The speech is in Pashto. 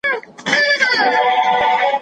لویدیځوالو اقتصاد رامنځته کړی دی.